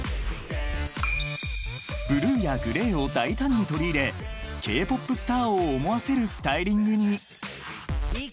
［ブルーやグレーを大胆に取り入れＫ−ＰＯＰスターを思わせるスタイリングに］